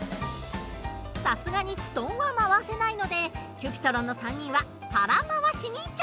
さすがに布団は回せないのでＣｕｐｉｔｒｏｎの３人は皿まわしに挑戦です！